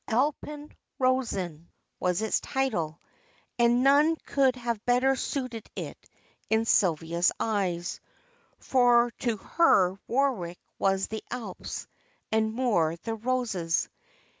"Alpen Rosen" was its title, and none could have better suited it in Sylvia's eyes, for to her Warwick was the Alps and Moor the roses.